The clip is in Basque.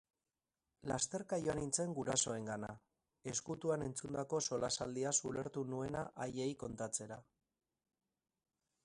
Lasterka joan nintzen gurasoengana, ezkutuan entzundako solasaldiaz ulertu nuena haiei kontatzera.